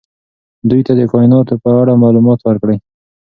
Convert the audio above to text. دوی ته د کائناتو په اړه معلومات ورکړئ.